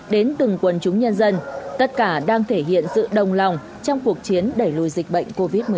đến từng quần chúng nhân dân tất cả đang thể hiện sự đồng lòng trong cuộc chiến đẩy lùi dịch bệnh covid một mươi chín